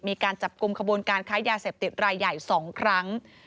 มีการจับกลุ่มขบวนการค้ายาเสพติดรายใหญ่๒ครั้ง